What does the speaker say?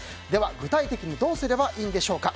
具体的にどうすればいいのでしょうか。